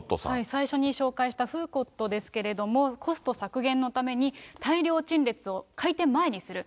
最初に紹介したフーコットですけれども、コスト削減のために、大量陳列を開店前にする。